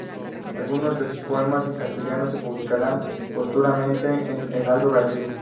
Algunos de sus poemas en castellano se publicaron póstumamente en "El Heraldo Gallego".